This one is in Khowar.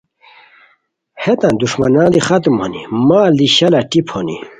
ہیتان دُݰمانان دی ختم ہونی، مال دی شالہ ٹیپ ہونی